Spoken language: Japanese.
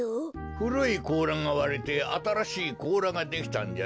ふるいこうらがわれてあたらしいこうらができたんじゃよ。